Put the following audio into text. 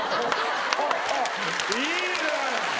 いいね！